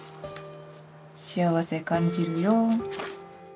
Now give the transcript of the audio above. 「幸せ感じるよ」。